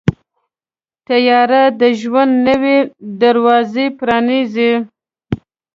طیاره د ژوند نوې دروازې پرانیزي.